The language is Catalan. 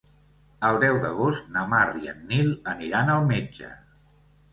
El deu d'agost na Mar i en Nil aniran al metge.